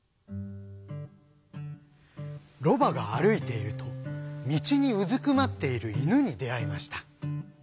ロバが歩いていると道にうずくまっている犬に出会いました。